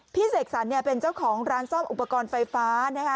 เสกสรรเนี่ยเป็นเจ้าของร้านซ่อมอุปกรณ์ไฟฟ้านะคะ